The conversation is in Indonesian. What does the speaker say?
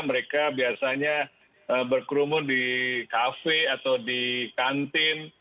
mereka biasanya berkerumun di kafe atau di kantin